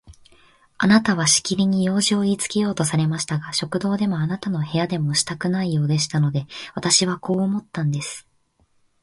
あなたはしきりに用事をいいつけようとされましたが、食堂でもあなたの部屋でもしたくないようでしたので、私はこう思ったんです。